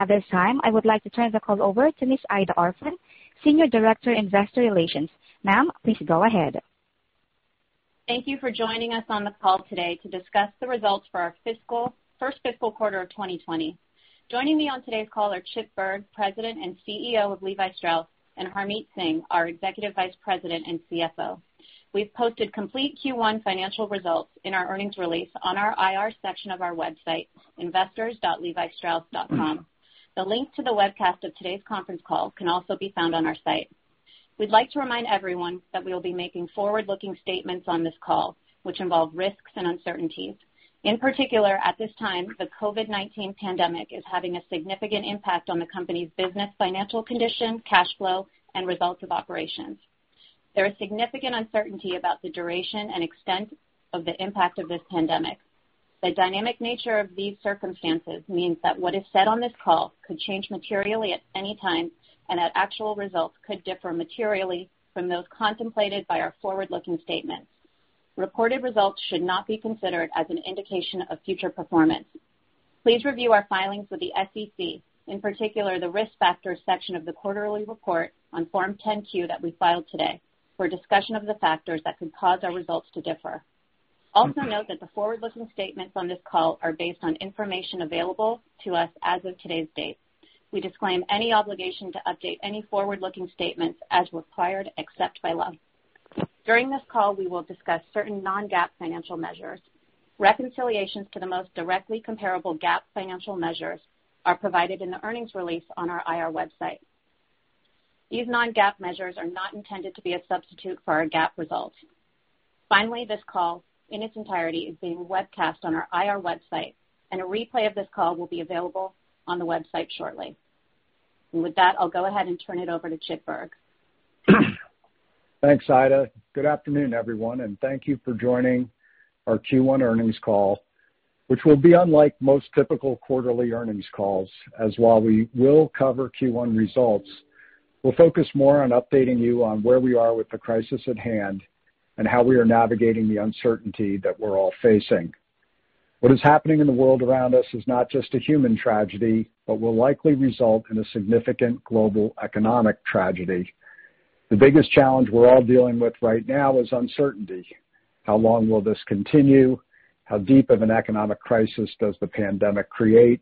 At this time, I would like to turn the call over to Ms. Aida Orphan, Senior Director, Investor Relations. Ma'am, please go ahead. Thank you for joining us on the call today to discuss the results for our first fiscal quarter of 2020. Joining me on today's call are Chip Bergh, President and CEO of Levi Strauss, Harmit Singh, our Executive Vice President and CFO. We've posted complete Q1 financial results in our earnings release on our IR section of our website, investors.levistrauss.com. The link to the webcast of today's conference call can also be found on our site. We'd like to remind everyone that we will be making forward-looking statements on this call, which involve risks and uncertainties. In particular, at this time, the COVID-19 pandemic is having a significant impact on the company's business financial condition, cash flow, and results of operations. There is significant uncertainty about the duration and extent of the impact of this pandemic. The dynamic nature of these circumstances means that what is said on this call could change materially at any time and that actual results could differ materially from those contemplated by our forward-looking statements. Reported results should not be considered as an indication of future performance. Please review our filings with the SEC, in particular, the Risk Factors section of the quarterly report on Form 10-Q that we filed today, for a discussion of the factors that could cause our results to differ. Note that the forward-looking statements on this call are based on information available to us as of today's date. We disclaim any obligation to update any forward-looking statements as required except by law. During this call, we will discuss certain non-GAAP financial measures. Reconciliations to the most directly comparable GAAP financial measures are provided in the earnings release on our IR website. These non-GAAP measures are not intended to be a substitute for our GAAP results. Finally, this call in its entirety is being webcast on our IR website, and a replay of this call will be available on the website shortly. With that, I'll go ahead and turn it over to Chip Bergh. Thanks, Aida. Good afternoon, everyone, and thank you for joining our Q1 earnings call, which will be unlike most typical quarterly earnings calls, as while we will cover Q1 results, we'll focus more on updating you on where we are with the crisis at hand and how we are navigating the uncertainty that we're all facing. What is happening in the world around us is not just a human tragedy, but will likely result in a significant global economic tragedy. The biggest challenge we're all dealing with right now is uncertainty. How long will this continue? How deep of an economic crisis does the pandemic create?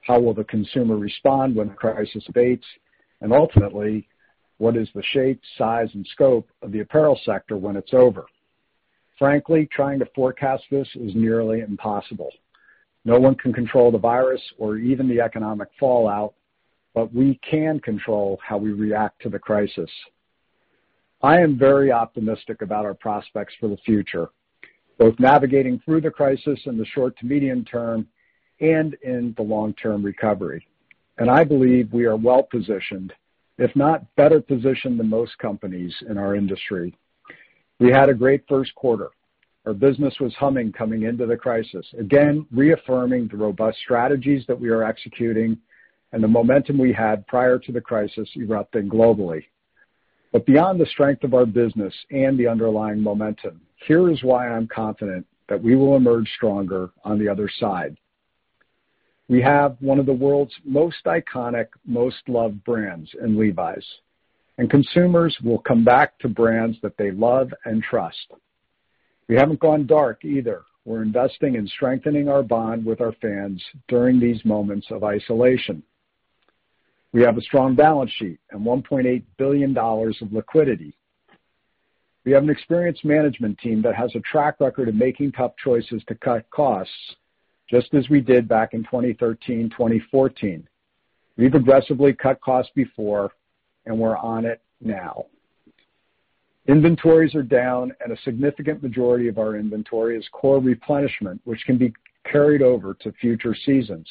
How will the consumer respond when the crisis abates? Ultimately, what is the shape, size, and scope of the apparel sector when it's over? Frankly, trying to forecast this is nearly impossible. No one can control the virus or even the economic fallout, but we can control how we react to the crisis. I am very optimistic about our prospects for the future, both navigating through the crisis in the short to medium term and in the long-term recovery. I believe we are well-positioned, if not better positioned than most companies in our industry. We had a great first quarter. Our business was humming coming into the crisis, again, reaffirming the robust strategies that we are executing and the momentum we had prior to the crisis erupting globally. Beyond the strength of our business and the underlying momentum, here is why I'm confident that we will emerge stronger on the other side. We have one of the world's most iconic, most loved brands in Levi's, and consumers will come back to brands that they love and trust. We haven't gone dark either. We're investing in strengthening our bond with our fans during these moments of isolation. We have a strong balance sheet and $1.8 billion of liquidity. We have an experienced management team that has a track record of making tough choices to cut costs, just as we did back in 2013, 2014. We've aggressively cut costs before and we're on it now. Inventories are down and a significant majority of our inventory is core replenishment, which can be carried over to future seasons.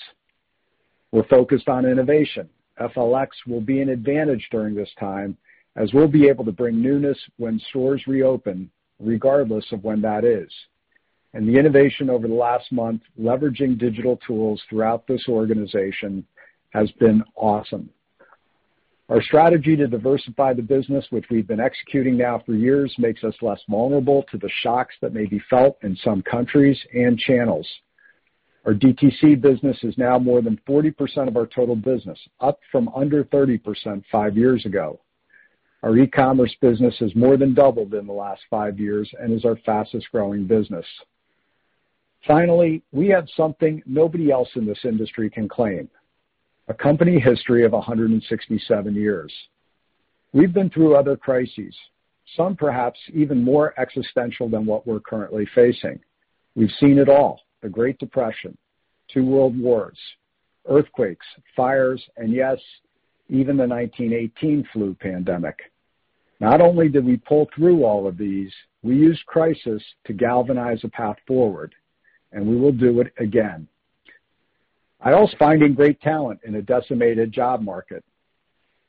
We're focused on innovation. FLX will be an advantage during this time as we'll be able to bring newness when stores reopen, regardless of when that is. The innovation over the last month, leveraging digital tools throughout this organization, has been awesome. Our strategy to diversify the business, which we've been executing now for years, makes us less vulnerable to the shocks that may be felt in some countries and channels. Our DTC business is now more than 40% of our total business, up from under 30% five years ago. Our e-commerce business has more than doubled in the last five years and is our fastest-growing business. Finally, we have something nobody else in this industry can claim, a company history of 167 years. We've been through other crises, some perhaps even more existential than what we're currently facing. We've seen it all, the Great Depression, two world wars, earthquakes, fires, and yes, even the 1918 flu pandemic. Not only did we pull through all of these, we used crisis to galvanize a path forward, and we will do it again. I also finding great talent in a decimated job market.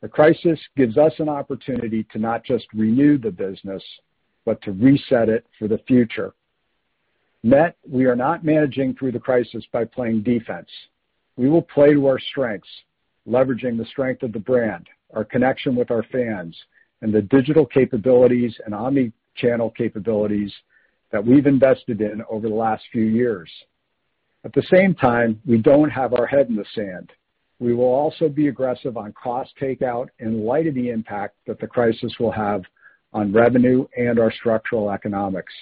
The crisis gives us an opportunity to not just renew the business, but to reset it for the future. Net, we are not managing through the crisis by playing defense. We will play to our strengths, leveraging the strength of the brand, our connection with our fans, and the digital capabilities and omni-channel capabilities that we've invested in over the last few years. We don't have our head in the sand. We will also be aggressive on cost takeout in light of the impact that the crisis will have on revenue and our structural economics.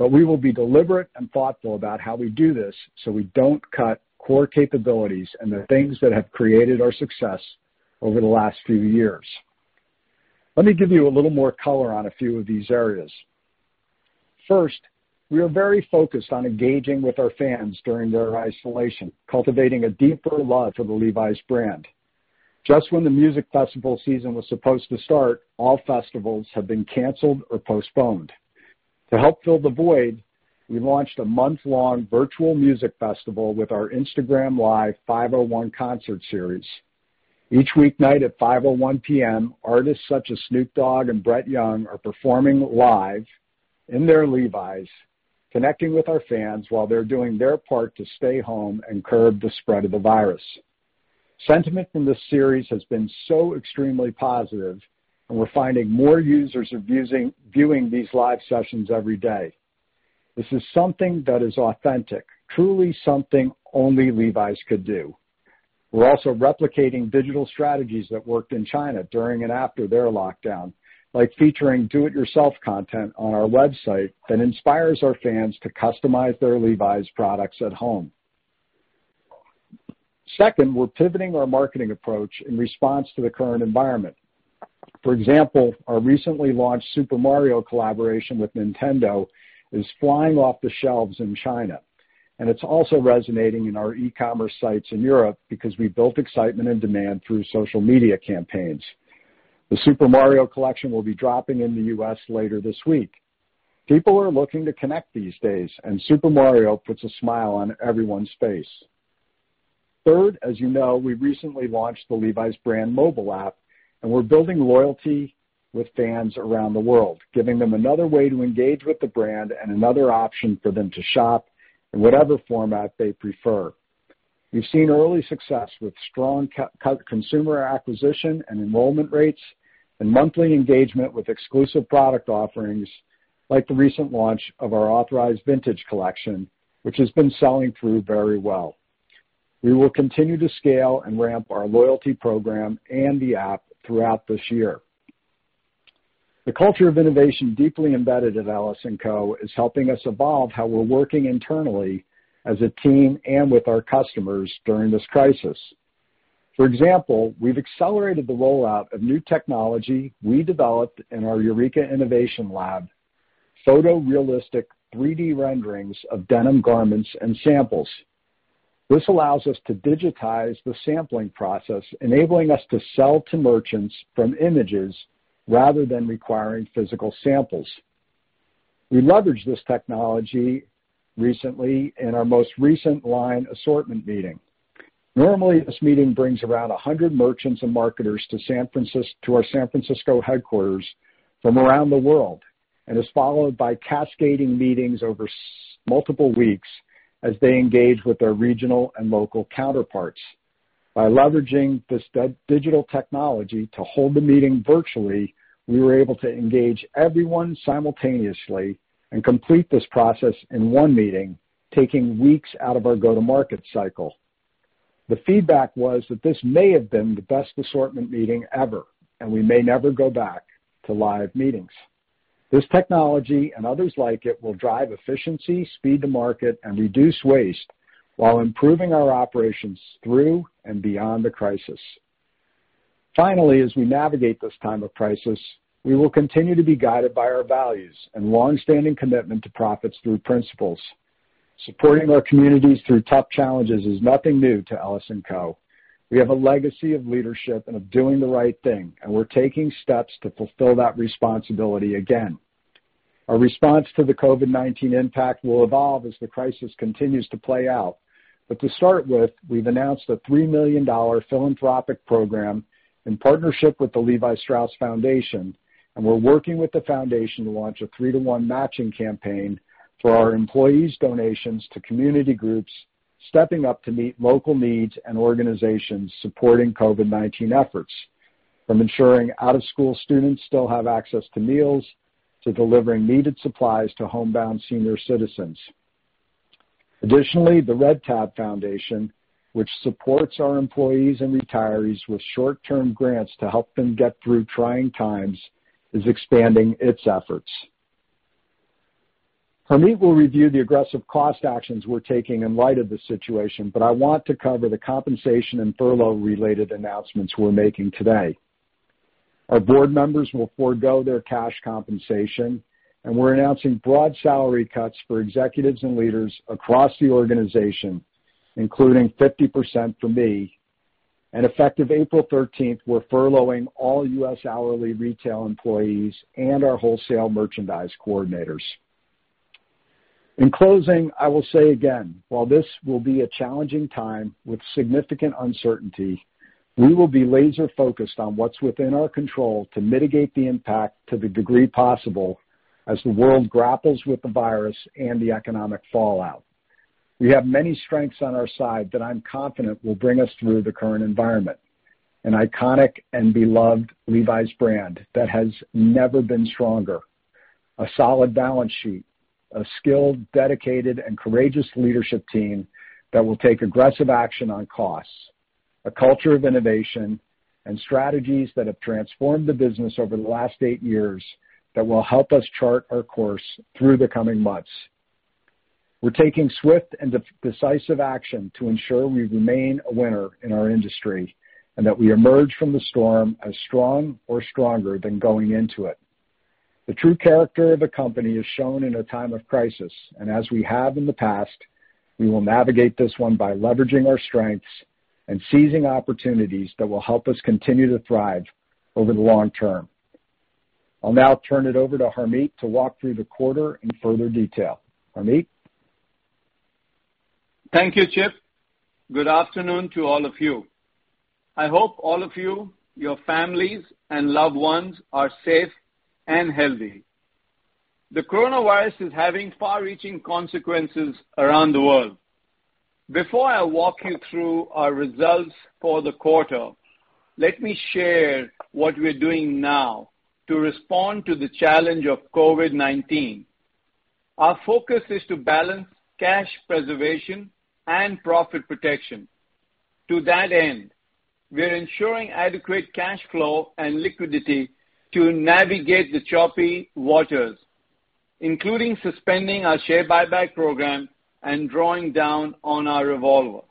We will be deliberate and thoughtful about how we do this so we don't cut core capabilities and the things that have created our success over the last few years. Let me give you a little more color on a few of these areas. First, we are very focused on engaging with our fans during their isolation, cultivating a deeper love for the Levi's brand. Just when the music festival season was supposed to start, all festivals have been canceled or postponed. To help fill the void, we launched a month-long virtual music festival with our Instagram Live 501 concert series. Each weeknight at 5:01 P.M., artists such as Snoop Dogg and Brett Young are performing live in their Levi's, connecting with our fans while they're doing their part to stay home and curb the spread of the virus. Sentiment from this series has been so extremely positive, and we're finding more users are viewing these live sessions every day. This is something that is authentic, truly something only Levi's could do. We're also replicating digital strategies that worked in China during and after their lockdown, like featuring do-it-yourself content on our website that inspires our fans to customize their Levi's products at home. Second, we're pivoting our marketing approach in response to the current environment. For example, our recently launched Super Mario collaboration with Nintendo is flying off the shelves in China. It's also resonating in our e-commerce sites in Europe because we built excitement and demand through social media campaigns. The Super Mario collection will be dropping in the U.S. later this week. People are looking to connect these days, and Super Mario puts a smile on everyone's face. Third, as you know, we recently launched the Levi's brand mobile app. We're building loyalty with fans around the world, giving them another way to engage with the brand and another option for them to shop in whatever format they prefer. We've seen early success with strong consumer acquisition and enrollment rates and monthly engagement with exclusive product offerings like the recent launch of our authorized vintage collection, which has been selling through very well. We will continue to scale and ramp our loyalty program and the app throughout this year. The culture of innovation deeply embedded at Levi Strauss & Co. is helping us evolve how we're working internally as a team and with our customers during this crisis. For example, we've accelerated the rollout of new technology we developed in our Eureka Innovation Lab, photorealistic 3D renderings of denim garments and samples. This allows us to digitize the sampling process, enabling us to sell to merchants from images rather than requiring physical samples. We leveraged this technology recently in our most recent line assortment meeting. Normally, this meeting brings around 100 merchants and marketers to our San Francisco headquarters from around the world and is followed by cascading meetings over multiple weeks as they engage with their regional and local counterparts. By leveraging this digital technology to hold the meeting virtually, we were able to engage everyone simultaneously and complete this process in one meeting, taking weeks out of our go-to-market cycle. The feedback was that this may have been the best assortment meeting ever, and we may never go back to live meetings. This technology and others like it will drive efficiency, speed to market, and reduce waste while improving our operations through and beyond the crisis. Finally, as we navigate this time of crisis, we will continue to be guided by our values and longstanding commitment to profits through principles. Supporting our communities through tough challenges is nothing new to Levi Strauss & Co. We have a legacy of leadership and of doing the right thing. We're taking steps to fulfill that responsibility again. Our response to the COVID-19 impact will evolve as the crisis continues to play out. To start with, we've announced a $3 million philanthropic program in partnership with the Levi Strauss Foundation, and we're working with the foundation to launch a three-to-one matching campaign for our employees' donations to community groups stepping up to meet local needs and organizations supporting COVID-19 efforts, from ensuring out-of-school students still have access to meals to delivering needed supplies to homebound senior citizens. Additionally, the Red Tab Foundation, which supports our employees and retirees with short-term grants to help them get through trying times, is expanding its efforts. Harmit will review the aggressive cost actions we're taking in light of the situation, but I want to cover the compensation and furlough-related announcements we're making today. Our board members will forego their cash compensation, and we're announcing broad salary cuts for executives and leaders across the organization, including 50% for me. Effective April 13th, we're furloughing all U.S. hourly retail employees and our wholesale merchandise coordinators. In closing, I will say again, while this will be a challenging time with significant uncertainty, we will be laser-focused on what's within our control to mitigate the impact to the degree possible as the world grapples with the virus and the economic fallout. We have many strengths on our side that I'm confident will bring us through the current environment, an iconic and beloved Levi's brand that has never been stronger, a solid balance sheet, a skilled, dedicated, and courageous leadership team that will take aggressive action on costs, a culture of innovation and strategies that have transformed the business over the last eight years that will help us chart our course through the coming months. We're taking swift and decisive action to ensure we remain a winner in our industry, and that we emerge from the storm as strong or stronger than going into it. The true character of a company is shown in a time of crisis, and as we have in the past, we will navigate this one by leveraging our strengths and seizing opportunities that will help us continue to thrive over the long term. I'll now turn it over to Harmit to walk through the quarter in further detail. Harmit? Thank you, Chip. Good afternoon to all of you. I hope all of you, your families, and loved ones are safe and healthy. The coronavirus is having far-reaching consequences around the world. Before I walk you through our results for the quarter, let me share what we're doing now to respond to the challenge of COVID-19. Our focus is to balance cash preservation and profit protection. To that end, we're ensuring adequate cash flow and liquidity to navigate the choppy waters, including suspending our share buyback program and drawing down on our revolver.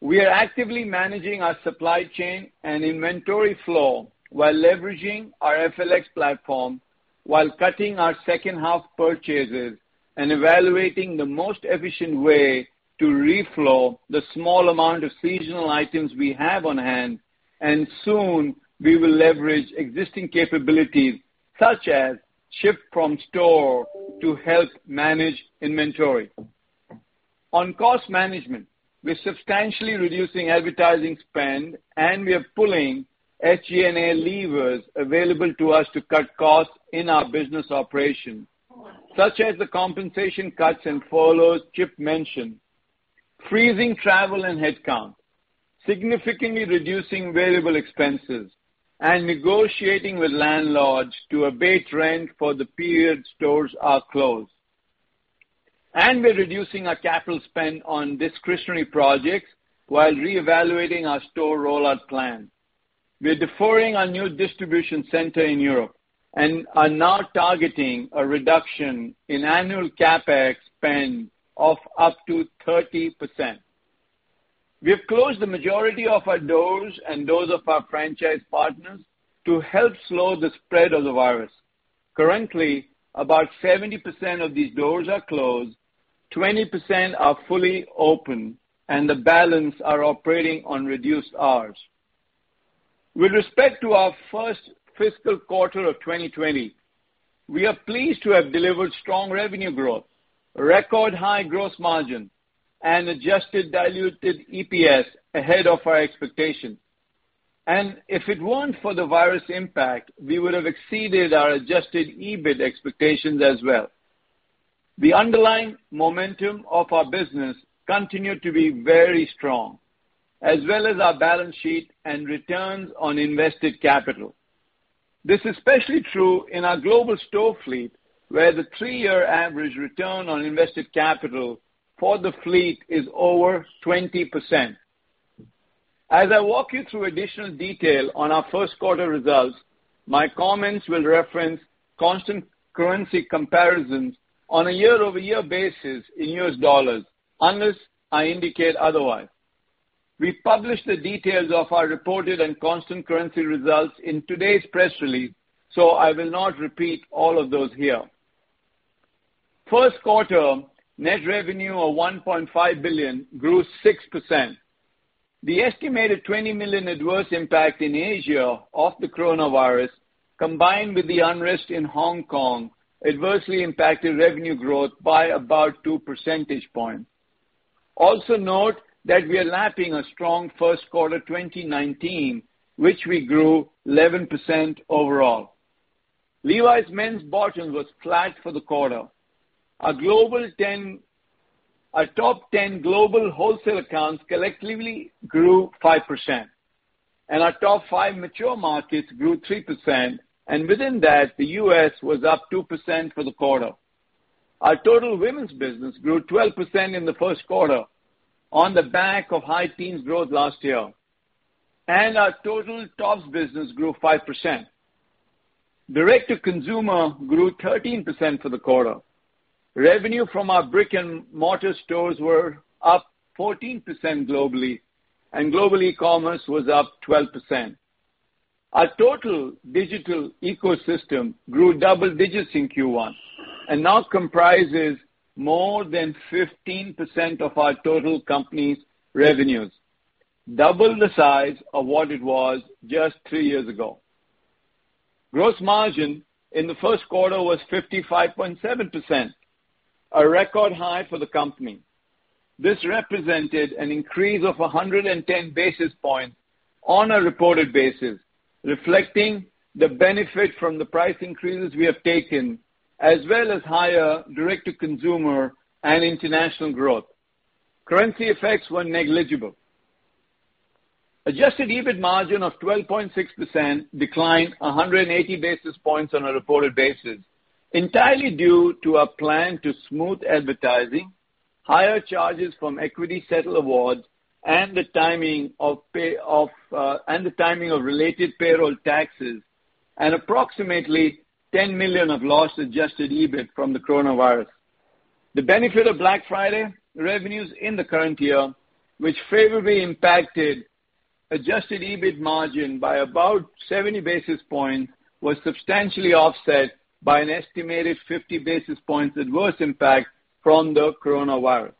We are actively managing our supply chain and inventory flow while leveraging our FLX platform, while cutting our second-half purchases, and evaluating the most efficient way to reflow the small amount of seasonal items we have on hand, and soon, we will leverage existing capabilities such as ship from store to help manage inventory. On cost management, we're substantially reducing advertising spend. We are pulling SG&A levers available to us to cut costs in our business operations, such as the compensation cuts and furloughs Chip mentioned, freezing travel and headcount, significantly reducing variable expenses, and negotiating with landlords to abate rent for the period stores are closed. We're reducing our capital spend on discretionary projects while reevaluating our store rollout plan. We're deferring our new distribution center in Europe and are now targeting a reduction in annual CapEx spend of up to 30%. We have closed the majority of our doors and those of our franchise partners to help slow the spread of the virus. Currently, about 70% of these doors are closed, 20% are fully open, and the balance are operating on reduced hours. With respect to our first fiscal quarter of 2020, we are pleased to have delivered strong revenue growth, record high gross margin, and Adjusted diluted EPS ahead of our expectation. If it weren't for the virus impact, we would have exceeded our Adjusted EBIT expectations as well. The underlying momentum of our business continued to be very strong, as well as our balance sheet and returns on invested capital. This is especially true in our global store fleet, where the three-year average return on invested capital for the fleet is over 20%. As I walk you through additional detail on our first quarter results, my comments will reference constant currency comparisons on a year-over-year basis in U.S. dollars, unless I indicate otherwise. We published the details of our reported and constant currency results in today's press release, so I will not repeat all of those here. First quarter net revenue of $1.5 billion grew 6%. The estimated $20 million adverse impact in Asia of the coronavirus, combined with the unrest in Hong Kong, adversely impacted revenue growth by about two percentage points. Also note that we are lapping a strong first quarter 2019, which we grew 11% overall. Levi's men's bottoms was flat for the quarter. Our top 10 global wholesale accounts collectively grew 5%, and our top five mature markets grew 3%, and within that, the U.S. was up 2% for the quarter. Our total women's business grew 12% in the first quarter on the back of high teens growth last year. Our total tops business grew 5%. Direct to consumer grew 13% for the quarter. Revenue from our brick-and-mortar stores were up 14% globally, and global e-commerce was up 12%. Our total digital ecosystem grew double digits in Q1 and now comprises more than 15% of our total company's revenues, double the size of what it was just three years ago. Gross margin in the first quarter was 55.7%, a record high for the company. This represented an increase of 110 basis points on a reported basis, reflecting the benefit from the price increases we have taken, as well as higher direct-to-consumer and international growth. Currency effects were negligible. Adjusted EBIT margin of 12.6% declined 180 basis points on a reported basis, entirely due to our plan to smooth advertising, higher charges from equity-settled awards, and the timing of related payroll taxes, and approximately $10 million of lost Adjusted EBIT from the coronavirus. The benefit of Black Friday revenues in the current year, which favorably impacted Adjusted EBIT margin by about 70 basis points, was substantially offset by an estimated 50 basis points adverse impact from the coronavirus.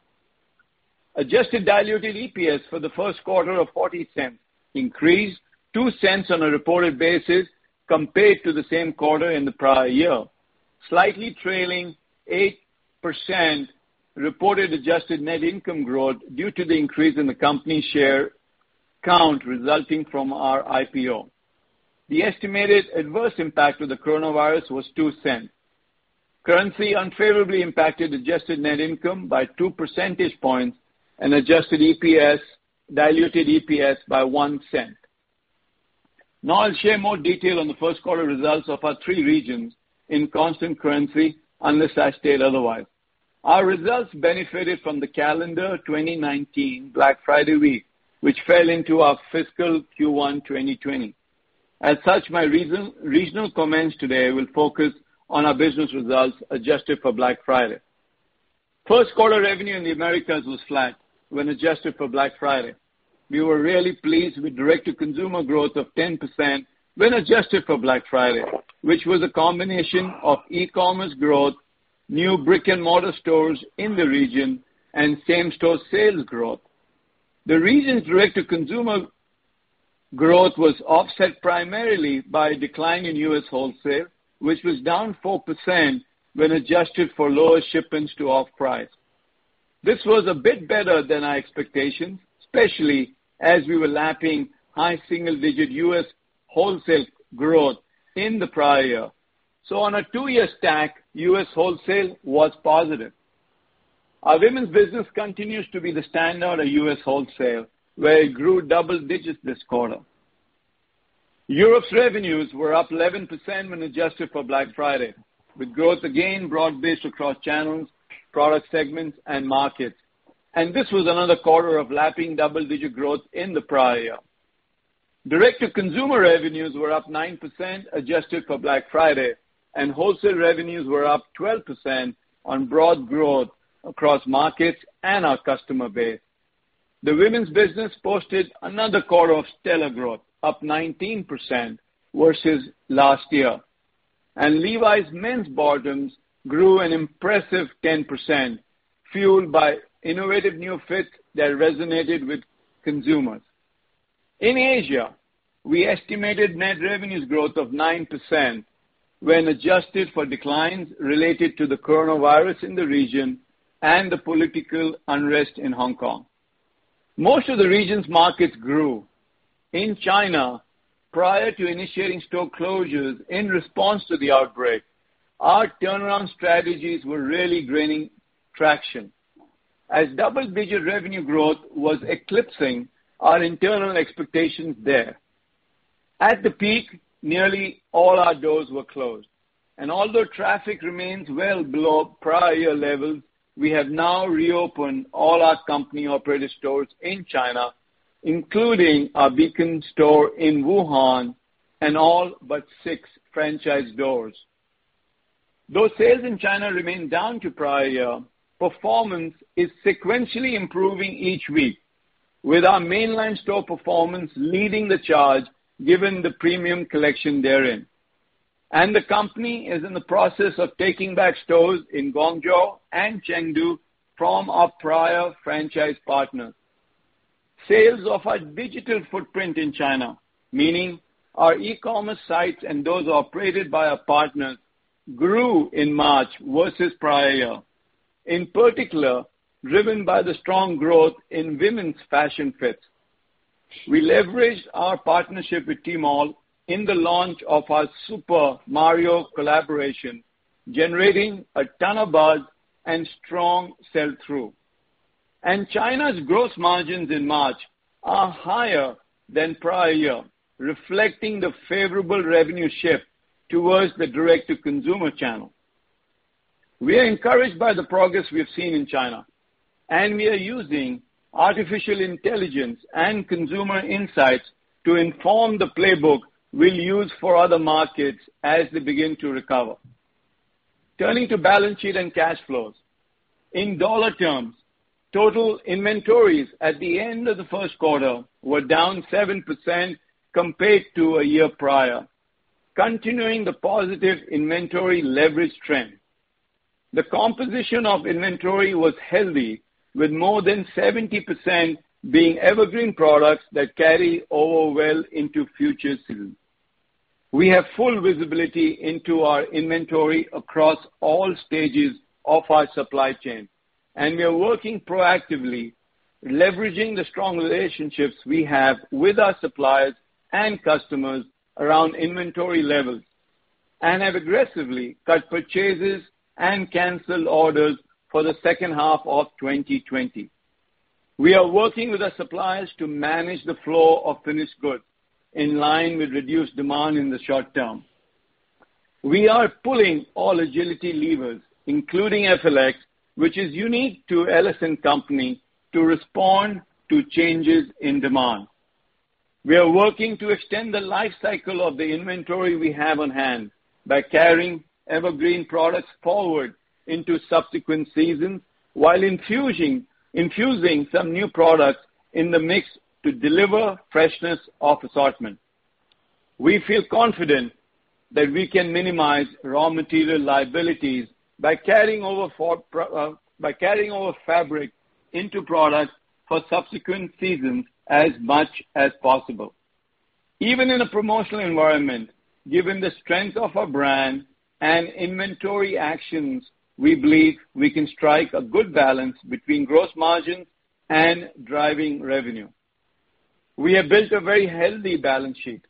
Adjusted diluted EPS for the first quarter of $0.40 increased $0.02 on a reported basis compared to the same quarter in the prior year. Slightly trailing 8% reported adjusted net income growth due to the increase in the company share count resulting from our IPO. The estimated adverse impact of the coronavirus was $0.02. Currency unfavorably impacted adjusted net income by two percentage points and Adjusted diluted EPS by $0.01. I'll share more detail on the first quarter results of our three regions in constant currency, unless I state otherwise. Our results benefited from the calendar 2019 Black Friday week, which fell into our fiscal Q1 2020. As such, my regional comments today will focus on our business results adjusted for Black Friday. First quarter revenue in the Americas was flat when adjusted for Black Friday. We were really pleased with direct-to-consumer growth of 10% when adjusted for Black Friday, which was a combination of e-commerce growth, new brick-and-mortar stores in the region, and same-store sales growth. The region's direct-to-consumer growth was offset primarily by a decline in U.S. wholesale, which was down 4% when adjusted for lower shipments to off-price. This was a bit better than our expectations, especially as we were lapping high single-digit U.S. wholesale growth in the prior year. On a two-year stack, U.S. wholesale was positive. Our women's business continues to be the standout of U.S. wholesale, where it grew double digits this quarter. Europe's revenues were up 11% when adjusted for Black Friday, with growth again broad-based across channels, product segments, and markets. This was another quarter of lapping double-digit growth in the prior year. Direct-to-consumer revenues were up 9% adjusted for Black Friday, and wholesale revenues were up 12% on broad growth across markets and our customer base. The women's business posted another quarter of stellar growth, up 19% versus last year. Levi's men's bottoms grew an impressive 10%, fueled by innovative new fit that resonated with consumers. In Asia, we estimated net revenues growth of 9% when adjusted for declines related to the Coronavirus in the region and the political unrest in Hong Kong. Most of the region's markets grew. In China, prior to initiating store closures in response to the outbreak, our turnaround strategies were really gaining traction as double-digit revenue growth was eclipsing our internal expectations there. At the peak, nearly all our doors were closed. Although traffic remains well below prior levels, we have now reopened all our company-operated stores in China, including our beacon store in Wuhan and all but six franchise doors. Though sales in China remain down to prior year, performance is sequentially improving each week, with our mainline store performance leading the charge given the premium collection therein. The company is in the process of taking back stores in Guangzhou and Chengdu from our prior franchise partners. Sales of our digital footprint in China, meaning our e-commerce sites and those operated by our partners, grew in March versus prior year, in particular, driven by the strong growth in women's fashion fits. We leveraged our partnership with Tmall in the launch of our Super Mario collaboration, generating a ton of buzz and strong sell-through. China's gross margins in March are higher than prior year, reflecting the favorable revenue shift towards the direct-to-consumer channel. We are encouraged by the progress we've seen in China, and we are using artificial intelligence and consumer insights to inform the playbook we'll use for other markets as they begin to recover. Turning to balance sheet and cash flows. In dollar terms, total inventories at the end of the first quarter were down 7% compared to a year prior, continuing the positive inventory leverage trend. The composition of inventory was healthy, with more than 70% being evergreen products that carry over well into future seasons. We have full visibility into our inventory across all stages of our supply chain, and we are working proactively leveraging the strong relationships we have with our suppliers and customers around inventory levels and have aggressively cut purchases and canceled orders for the second half of 2020. We are working with our suppliers to manage the flow of finished goods in line with reduced demand in the short term. We are pulling all agility levers, including FLX, which is unique to Levi Strauss & Co., to respond to changes in demand. We are working to extend the life cycle of the inventory we have on hand by carrying evergreen products forward into subsequent seasons, while infusing some new products in the mix to deliver freshness of assortment. We feel confident that we can minimize raw material liabilities by carrying over fabric into products for subsequent seasons as much as possible. Even in a promotional environment, given the strength of our brand and inventory actions, we believe we can strike a good balance between gross margin and driving revenue. We have built a very healthy balance sheet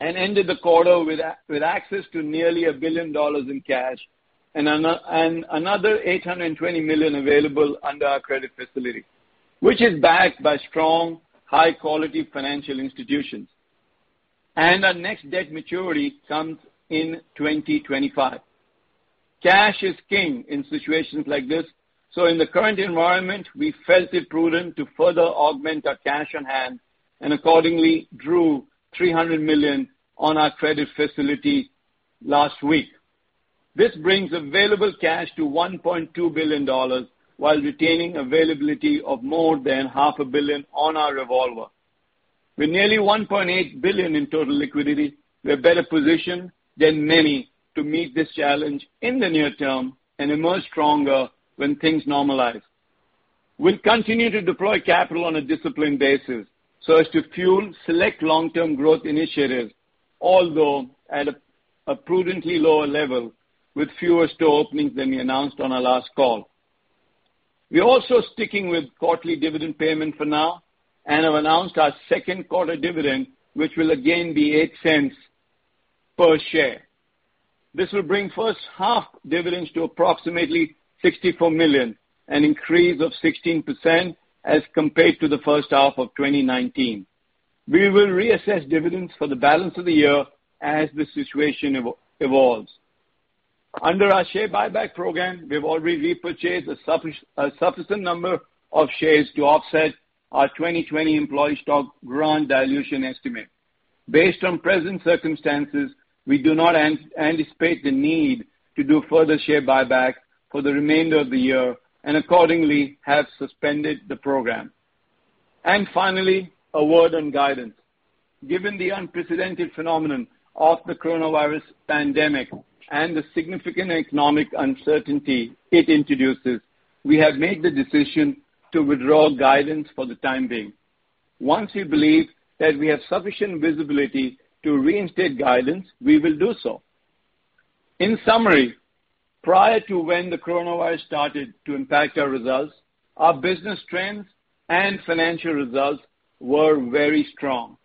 and ended the quarter with access to nearly $1 billion in cash and another $820 million available under our credit facility, which is backed by strong, high-quality financial institutions. Our next debt maturity comes in 2025. Cash is king in situations like this, so in the current environment, we felt it prudent to further augment our cash on hand and accordingly drew $300 million on our credit facility last week. This brings available cash to $1.2 billion while retaining availability of more than $0.5 billion on our revolver. With nearly $1.8 billion in total liquidity, we're better positioned than many to meet this challenge in the near term and emerge stronger when things normalize. We'll continue to deploy capital on a disciplined basis so as to fuel select long-term growth initiatives, although at a prudently lower level with fewer store openings than we announced on our last call. We're also sticking with quarterly dividend payment for now and have announced our second quarter dividend, which will again be $0.08 per share. This will bring first half dividends to approximately $64 million, an increase of 16% as compared to the first half of 2019. We will reassess dividends for the balance of the year as the situation evolves. Under our share buyback program, we've already repurchased a sufficient number of shares to offset our 2020 employee stock grant dilution estimate. Based on present circumstances, we do not anticipate the need to do further share buyback for the remainder of the year and accordingly have suspended the program. Finally, a word on guidance. Given the unprecedented phenomenon of the coronavirus pandemic and the significant economic uncertainty it introduces, we have made the decision to withdraw guidance for the time being. Once we believe that we have sufficient visibility to reinstate guidance, we will do so. In summary, prior to when the coronavirus started to impact our results, our business trends and financial results were very strong.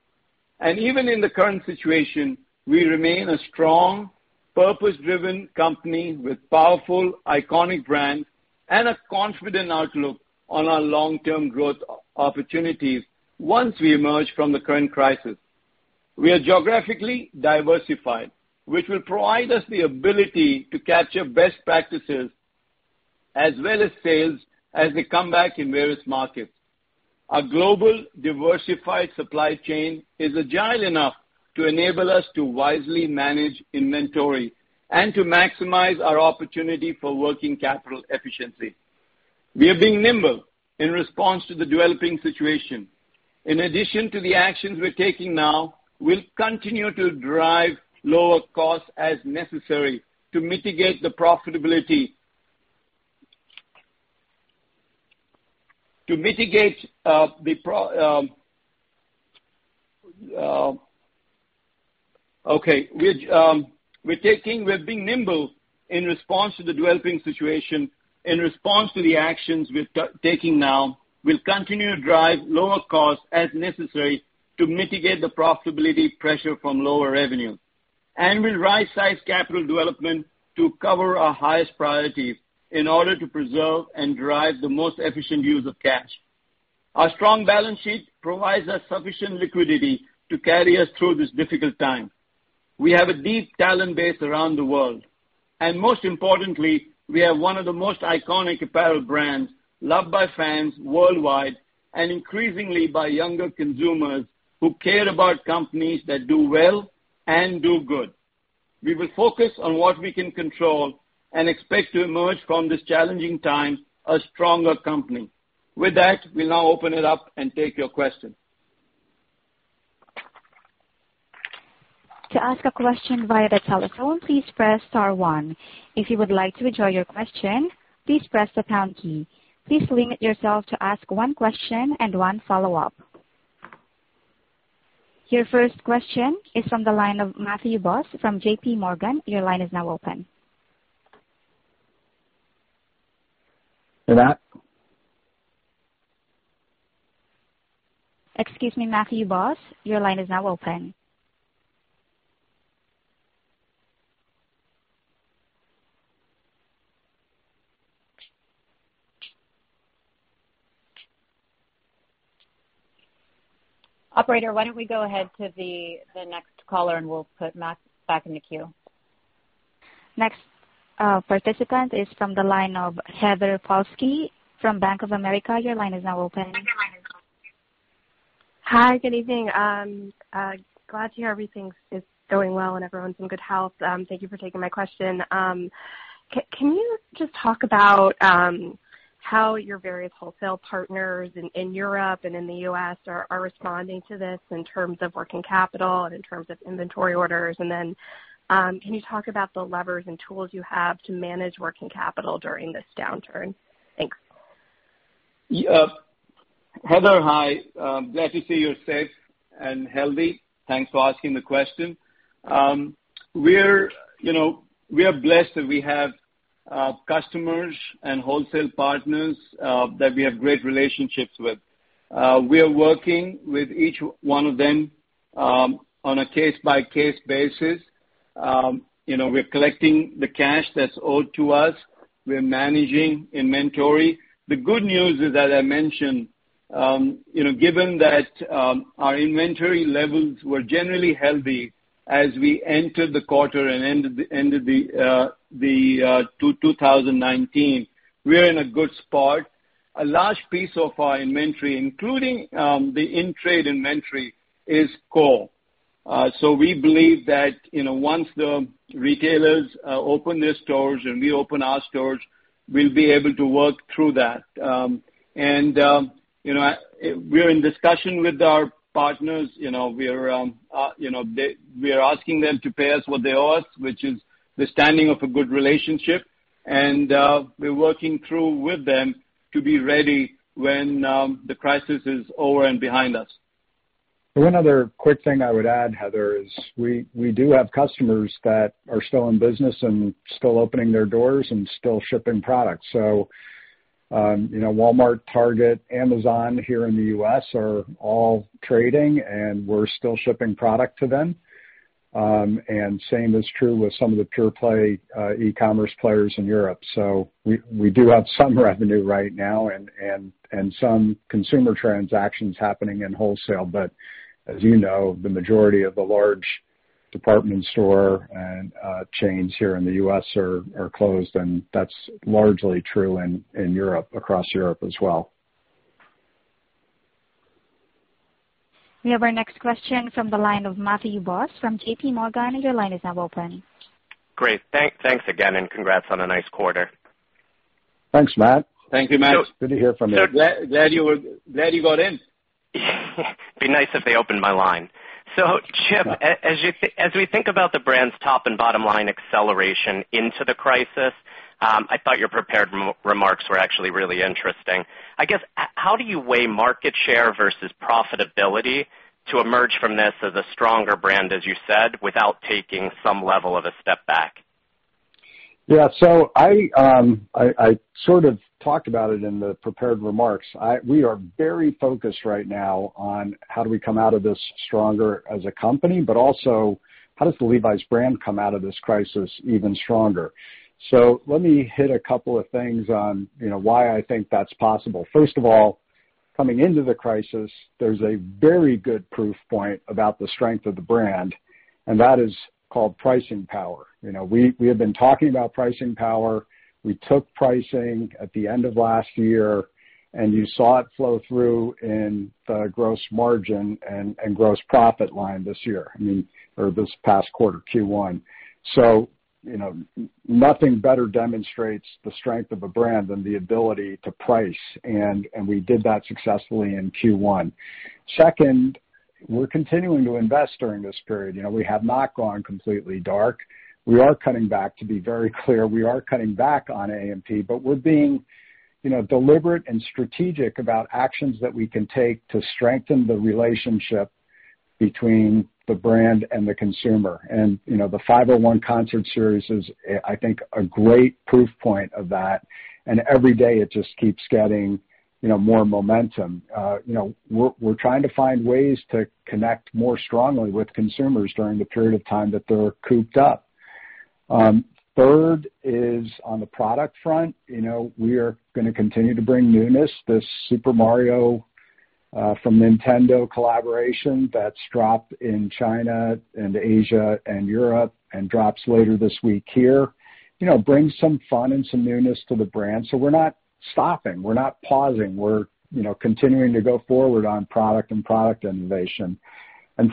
Even in the current situation, we remain a strong, purpose-driven company with powerful, iconic brands and a confident outlook on our long-term growth opportunities once we emerge from the current crisis. We are geographically diversified, which will provide us the ability to capture best practices as well as sales as they come back in various markets. Our global diversified supply chain is agile enough to enable us to wisely manage inventory and to maximize our opportunity for working capital efficiency. We are being nimble in response to the developing situation. In response to the actions we're taking now, we'll continue to drive lower costs as necessary to mitigate the profitability pressure from lower revenue. We'll right-size capital development to cover our highest priorities in order to preserve and drive the most efficient use of cash. Our strong balance sheet provides us sufficient liquidity to carry us through this difficult time. We have a deep talent base around the world. Most importantly, we have one of the most iconic apparel brands loved by fans worldwide and increasingly by younger consumers who care about companies that do well and do good. We will focus on what we can control and expect to emerge from this challenging time a stronger company. With that, we'll now open it up and take your questions. To ask a question via the telephone, please press star one. If you would like to withdraw your question, please press the pound key. Please limit yourself to ask one question and one follow-up. Your first question is from the line of Matthew Boss from JPMorgan. Your line is now open. Matt? Excuse me, Matthew Boss, your line is now open. Operator, why don't we go ahead to the next caller, and we'll put Matt back in the queue. Next participant is from the line of Heather Balsky from Bank of America. Your line is now open. Hi, good evening. Glad to hear everything is going well and everyone's in good health. Thank you for taking my question. Can you just talk about how your various wholesale partners in Europe and in the U.S. are responding to this in terms of working capital and in terms of inventory orders? Can you talk about the levers and tools you have to manage working capital during this downturn? Thanks. Heather. Hi. Glad to see you're safe and healthy. Thanks for asking the question. We are blessed that we have customers and wholesale partners that we have great relationships with. We are working with each one of them on a case-by-case basis. We're collecting the cash that's owed to us. We're managing inventory. The good news is that I mentioned, given that our inventory levels were generally healthy as we entered the quarter and ended 2019, we are in a good spot. A large piece of our inventory, including the in-trade inventory, is core. We believe that, once the retailers open their stores and we open our stores, we'll be able to work through that. We are in discussion with our partners. We are asking them to pay us what they owe us, which is the standing of a good relationship, and we're working through with them to be ready when the crisis is over and behind us. One other quick thing I would add, Heather, is we do have customers that are still in business and still opening their doors and still shipping product. Walmart, Target, Amazon here in the U.S. are all trading, and we're still shipping product to them. Same is true with some of the pure-play e-commerce players in Europe. We do have some revenue right now and some consumer transactions happening in wholesale. As you know, the majority of the large department store and chains here in the U.S. are closed, and that's largely true in Europe, across Europe as well. We have our next question from the line of Matthew Boss from JPMorgan. Your line is now open. Great. Thanks again, congrats on a nice quarter. Thanks, Matt. Thank you, Matt. Good to hear from you. Glad you got in. Be nice if they opened my line. Chip, as we think about the brand's top and bottom-line acceleration into the crisis, I thought your prepared remarks were actually really interesting. I guess, how do you weigh market share versus profitability to emerge from this as a stronger brand, as you said, without taking some level of a step back? I sort of talked about it in the prepared remarks. We are very focused right now on how do we come out of this stronger as a company, but also how does the Levi's brand come out of this crisis even stronger? Let me hit a couple of things on why I think that's possible. First of all, coming into the crisis, there's a very good proof point about the strength of the brand, and that is called pricing power. We have been talking about pricing power. We took pricing at the end of last year, and you saw it flow through in the gross margin and gross profit line this year, or this past quarter, Q1. Nothing better demonstrates the strength of a brand than the ability to price, and we did that successfully in Q1. Second, we're continuing to invest during this period. We have not gone completely dark. We are cutting back, to be very clear, we are cutting back on AMP, but we're being deliberate and strategic about actions that we can take to strengthen the relationship between the brand and the consumer. The 501 concert series is, I think, a great proof point of that, and every day, it just keeps getting more momentum. We're trying to find ways to connect more strongly with consumers during the period of time that they're cooped up. Third is on the product front. We are going to continue to bring newness. The Super Mario from Nintendo collaboration that's dropped in China and Asia and Europe and drops later this week here brings some fun and some newness to the brand. We're not stopping. We're not pausing. We're continuing to go forward on product and product innovation.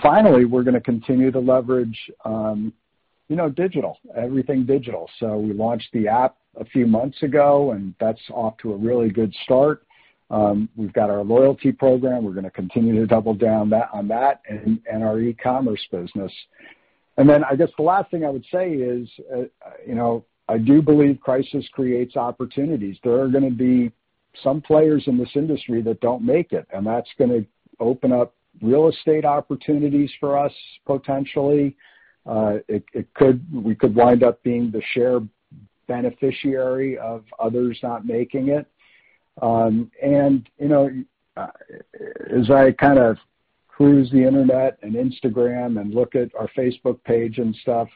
Finally, we're going to continue to leverage digital, everything digital. We launched the app a few months ago, and that's off to a really good start. We've got our loyalty program. We're going to continue to double down on that and our e-commerce business. I guess the last thing I would say is, I do believe crisis creates opportunities. There are going to be some players in this industry that don't make it, and that's going to open up real estate opportunities for us, potentially. We could wind up being the share beneficiary of others not making it. As I cruise the internet and Instagram and look at our Facebook page and stuff,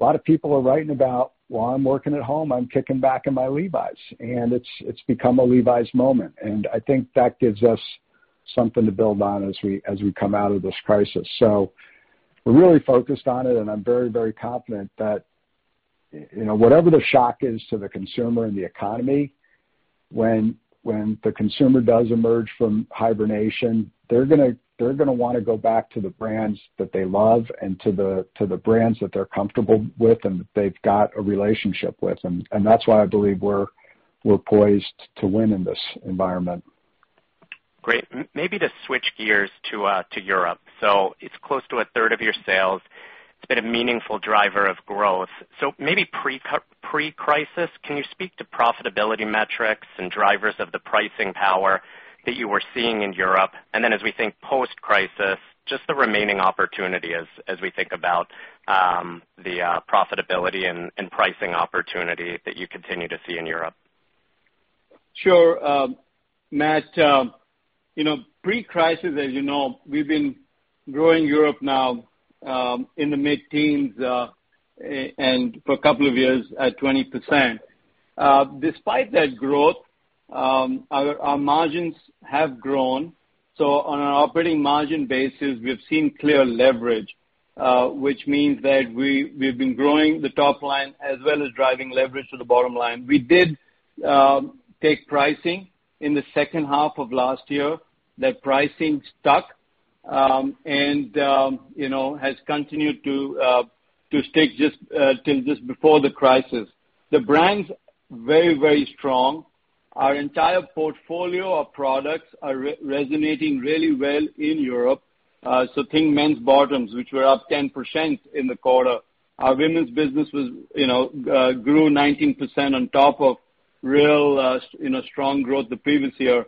a lot of people are writing about, "While I'm working at home, I'm kicking back in my Levi's." It's become a Levi's moment. I think that gives us something to build on as we come out of this crisis. We're really focused on it, and I'm very confident that, whatever the shock is to the consumer and the economy, when the consumer does emerge from hibernation, they're going to want to go back to the brands that they love and to the brands that they're comfortable with and that they've got a relationship with. That's why I believe we're poised to win in this environment. Great. Maybe to switch gears to Europe. It's close to a third of your sales. It's been a meaningful driver of growth. Maybe pre-crisis, can you speak to profitability metrics and drivers of the pricing power that you were seeing in Europe? Then as we think post-crisis, just the remaining opportunity as we think about the profitability and pricing opportunity that you continue to see in Europe. Sure. Matt, pre-crisis, as you know, we've been growing Europe now in the mid-teens, for a couple of years at 20%. Despite that growth, our margins have grown. On an operating margin basis, we've seen clear leverage, which means that we've been growing the top line as well as driving leverage to the bottom line. We did take pricing in the second half of last year. That pricing stuck, has continued to stick till just before the crisis. The brand's very strong. Our entire portfolio of products are resonating really well in Europe. Think men's bottoms, which were up 10% in the quarter. Our women's business grew 19% on top of real strong growth the previous year.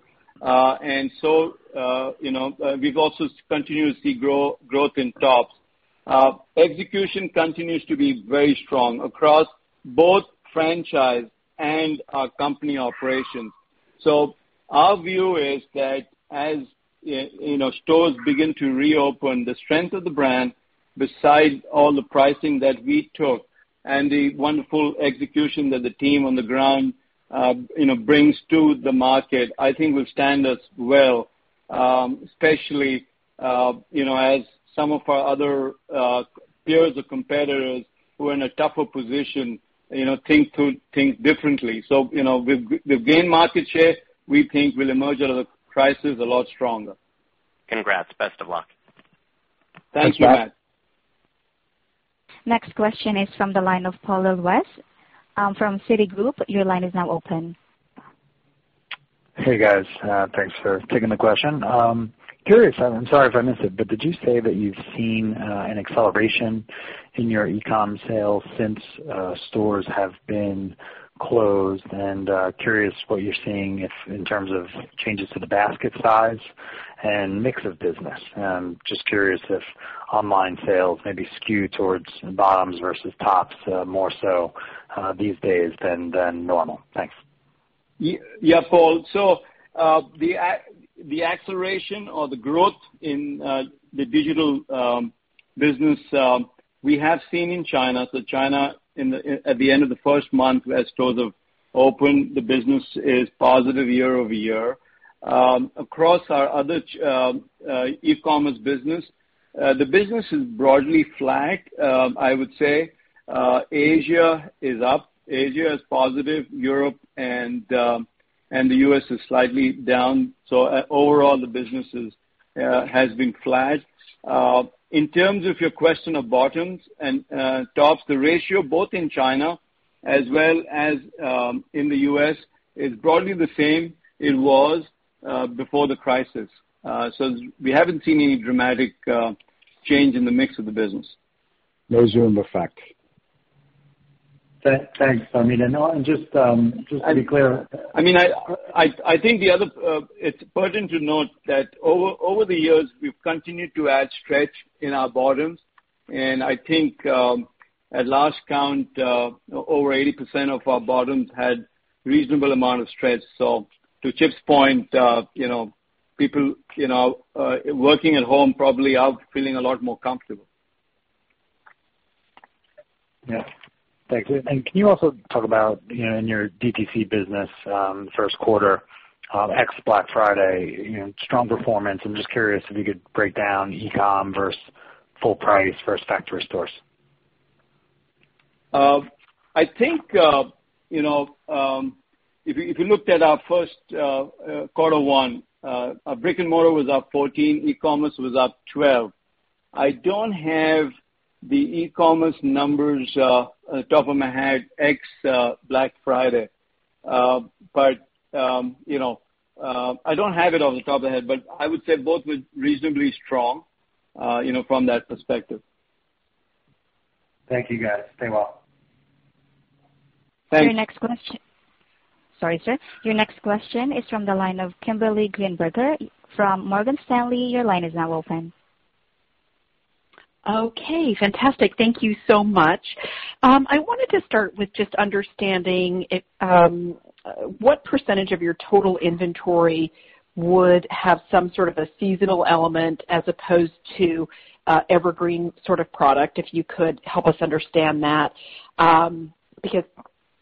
We've also continued to see growth in tops. Execution continues to be very strong across both franchise and our company operations. Our view is that as stores begin to reopen, the strength of the brand, besides all the pricing that we took and the wonderful execution that the team on the ground brings to the market, I think will stand us well. Especially, as some of our other peers or competitors who are in a tougher position think differently. We've gained market share. We think we'll emerge out of the crisis a lot stronger. Congrats. Best of luck. Thanks, Matt. Thanks, guys. Next question is from the line of Paul Lejuez from Citigroup. Your line is now open. Hey, guys. Thanks for taking the question. Curious, I'm sorry if I missed it, but did you say that you've seen an acceleration in your e-com sales since stores have been closed? Curious what you're seeing in terms of changes to the basket size and mix of business? Just curious if online sales maybe skew towards bottoms versus tops more so these days than normal? Thanks. Yeah, Paul. The acceleration or the growth in the digital business we have seen in China. China, at the end of the first month as stores have opened, the business is positive year-over-year. Across our other e-commerce business, the business is broadly flat. I would say Asia is up. Asia is positive. Europe and the U.S. is slightly down. Overall, the business has been flat. In terms of your question of bottoms and tops, the ratio, both in China as well as in the U.S., is broadly the same it was before the crisis. We haven't seen any dramatic change in the mix of the business. No Zoom effect. Thanks, Harmit. Just to be clear. I think it's important to note that over the years, we've continued to add stretch in our bottoms, and I think, at last count, over 80% of our bottoms had reasonable amount of stretch. To Chip's point, people working at home probably are feeling a lot more comfortable. Yeah. Thanks. Can you also talk about in your DTC business, first quarter, ex Black Friday, strong performance. I'm just curious if you could break down e-com versus full price versus factory stores. I think, if you looked at our first quarter 1, our brick and mortar was up 14%, e-commerce was up 12%. I don't have the e-commerce numbers off the top of my head, ex Black Friday. I don't have it off the top of the head, I would say both were reasonably strong from that perspective. Thank you, guys. Stay well. Thanks. Sorry, sir. Your next question is from the line of Kimberly Greenberger from Morgan Stanley. Your line is now open. Okay, fantastic. Thank you so much. I wanted to start with just understanding what percentage of your total inventory would have some sort of a seasonal element as opposed to evergreen sort of product, if you could help us understand that. Because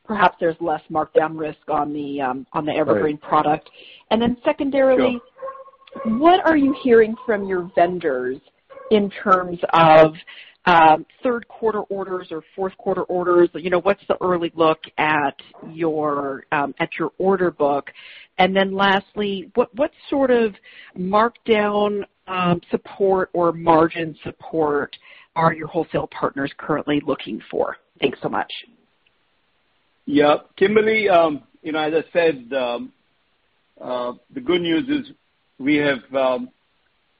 perhaps there's less markdown risk on the evergreen product. Alright. Secondarily, what are you hearing from your vendors in terms of third quarter orders or fourth quarter orders? What's the early look at your order book? Lastly, what sort of markdown support or margin support are your wholesale partners currently looking for? Thanks so much. Kimberly, as I said, the good news is we have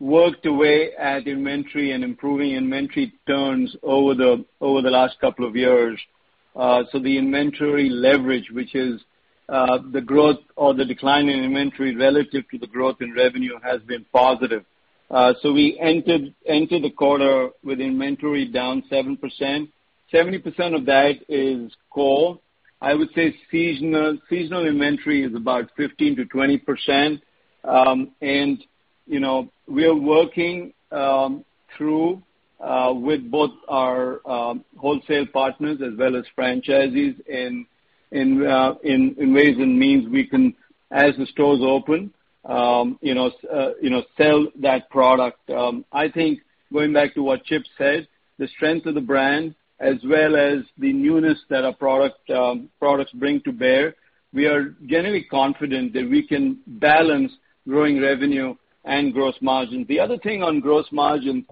worked away at inventory and improving inventory turns over the last couple of years. The inventory leverage, which is the growth or the decline in inventory relative to the growth in revenue, has been positive. We entered the quarter with inventory down 7%. 70% of that is core. I would say seasonal inventory is about 15%-20%. We are working through with both our wholesale partners as well as franchisees in ways and means we can, as the stores open, sell that product. I think going back to what Chip said, the strength of the brand, as well as the newness that our products bring to bear, we are generally confident that we can balance growing revenue and gross margin. The other thing on gross margin,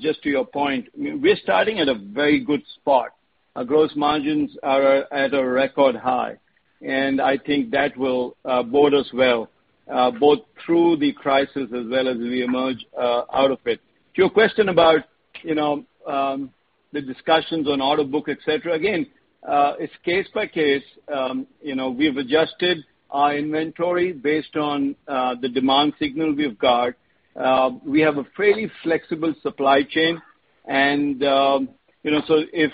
just to your point, we're starting at a very good spot. Our gross margins are at a record high, and I think that will bode us well, both through the crisis as well as we emerge out of it. To your question about the discussions on order book, et cetera, again, it's case by case. We've adjusted our inventory based on the demand signal we have got. We have a fairly flexible supply chain, and so if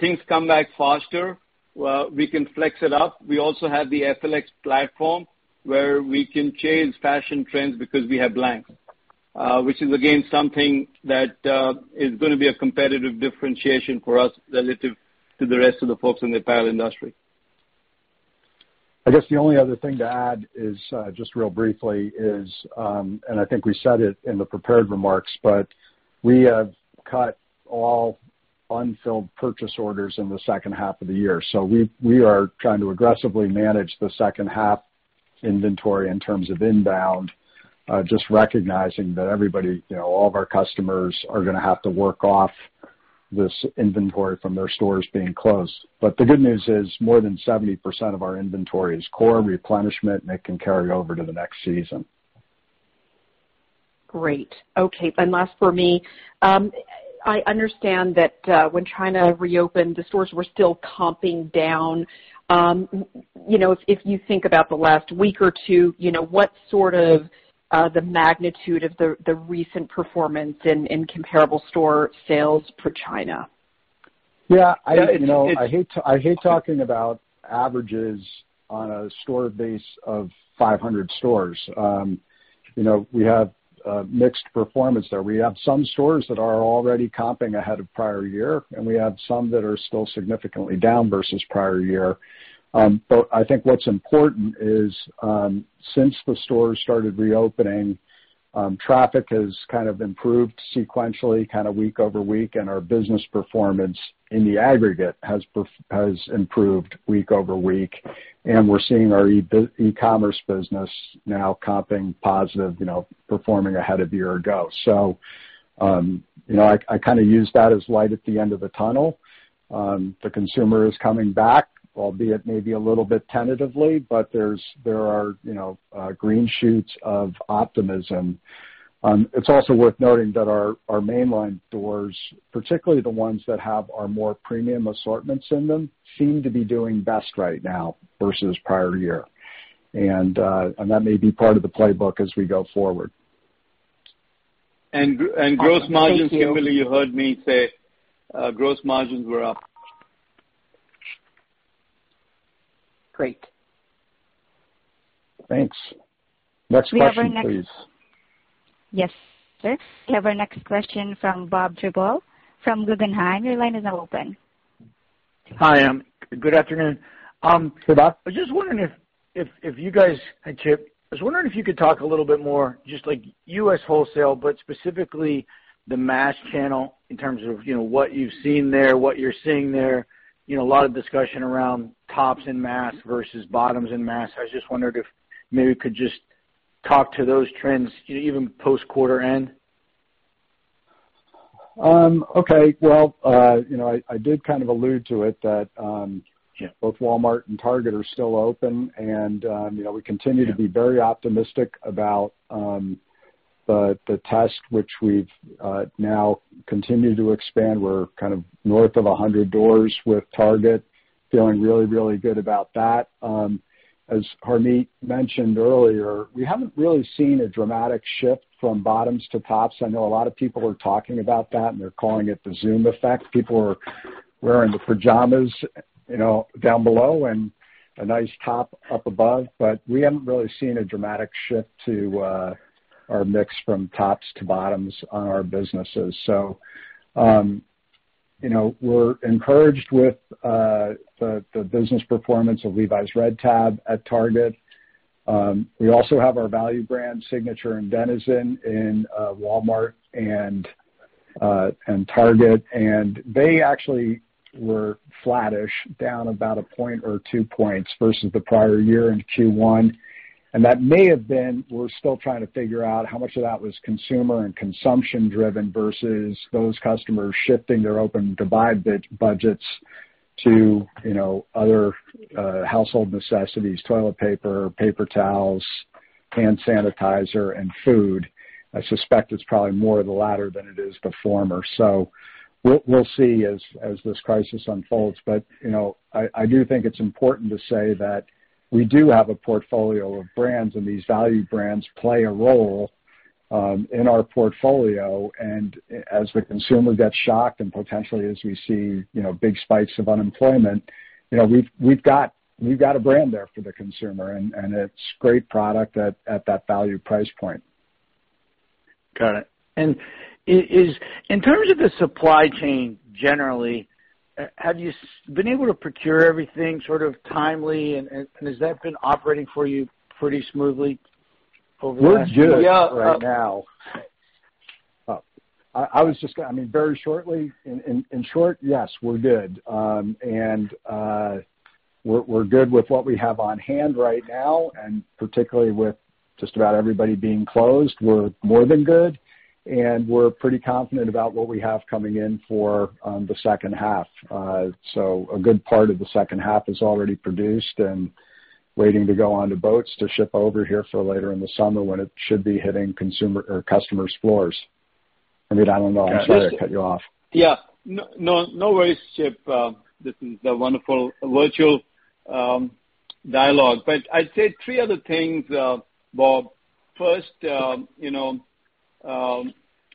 things come back faster, we can flex it up. We also have the FLX platform where we can change fashion trends because we have blanks which is, again, something that is going to be a competitive differentiation for us relative to the rest of the folks in the apparel industry. I guess the only other thing to add is, just real briefly, and I think we said it in the prepared remarks, but we have cut all unfilled purchase orders in the second half of the year. We are trying to aggressively manage the second half inventory in terms of inbound, just recognizing that everybody, all of our customers, are going to have to work off this inventory from their stores being closed. The good news is, more than 70% of our inventory is core replenishment, and it can carry over to the next season. Great. Okay, last for me. I understand that when China reopened, the stores were still comping down. If you think about the last week or two, what's sort of the magnitude of the recent performance in comparable store sales for China? Yeah. I hate talking about averages on a store base of 500 stores. We have a mixed performance there. We have some stores that are already comping ahead of prior year, and we have some that are still significantly down versus prior year. I think what's important is, since the stores started reopening, traffic has kind of improved sequentially, kind of week-over-week, and our business performance in the aggregate has improved week-over-week. We're seeing our e-commerce business now comping positive, performing ahead of year ago. I use that as light at the end of the tunnel. The consumer is coming back, albeit maybe a little bit tentatively, but there are green shoots of optimism. It's also worth noting that our mainline stores, particularly the ones that have our more premium assortments in them, seem to be doing best right now versus prior year. That may be part of the playbook as we go forward. Gross margins, Kimberly, you heard me say gross margins were up. Great. Thanks. Next question, please. Yes, sir. We have our next question from Bob Drbul from Guggenheim. Your line is now open. Hi. Good afternoon. Hey, Bob. I was just wondering if you guys, and Chip, I was just wondering if you could talk a little bit more just like U.S. wholesale, but specifically the mass channel in terms of what you've seen there, what you're seeing there. A lot of discussion around tops in mass versus bottoms in mass. I just wondered if maybe you could just talk to those trends, even post quarter end. Okay. Well, I did kind of allude to it that both Walmart and Target are still open, and we continue to be very optimistic about the test, which we've now continued to expand. We're kind of north of 100 doors with Target, feeling really, really good about that. As Harmit mentioned earlier, we haven't really seen a dramatic shift from bottoms to tops. I know a lot of people are talking about that, and they're calling it the Zoom effect. People are wearing the pajamas down below and a nice top up above. We haven't really seen a dramatic shift to our mix from tops to bottoms on our businesses. We're encouraged with the business performance of Levi's Red Tab at Target. We also have our value brand, Signature and Denizen, in Walmart and Target. They actually were flattish, down about a point or two points versus the prior year in Q1. That may have been, we're still trying to figure out how much of that was consumer and consumption driven versus those customers shifting their open-to-buy budgets to other household necessities, toilet paper towels, hand sanitizer, and food. I suspect it's probably more of the latter than it is the former. We'll see as this crisis unfolds. I do think it's important to say that we do have a portfolio of brands. These value brands play a role in our portfolio. As the consumer gets shocked and potentially as we see big spikes of unemployment, we've got a brand there for the consumer. It's great product at that value price point. Got it. In terms of the supply chain, generally, have you been able to procure everything sort of timely, and has that been operating for you pretty smoothly over the last? We're good right now. I mean, very shortly. In short, yes, we're good. We're good with what we have on hand right now, and particularly with just about everybody being closed, we're more than good, and we're pretty confident about what we have coming in for the second half. A good part of the second half is already produced and waiting to go onto boats to ship over here for later in the summer when it should be hitting customer's floors. I mean, I don't know. I'm sorry I cut you off. No worries, Chip. This is a wonderful virtual dialogue. I'd say three other things, Bob. First,